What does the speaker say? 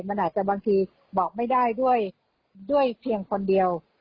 มันอาจจะบางทีบอกไม่ได้ด้วยเพียงคนเดียว